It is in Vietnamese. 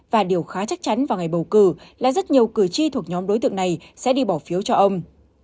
và điều khá chắc chắn vào ngày bầu cử là rất nhiều cử tri thuộc nhóm đối tượng này sẽ đi bỏ phiếu cho ông